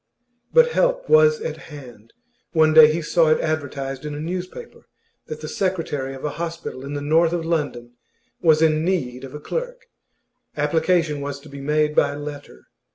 But help was at hand. One day he saw it advertised in a newspaper that the secretary of a hospital in the north of London was in need of a clerk; application was to be made by letter.